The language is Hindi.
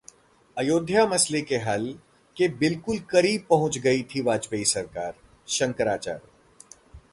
अयोध्या मसले के हल के बिल्कुल करीब पहुंच गई थी वाजपेयी सरकार: शंकराचार्य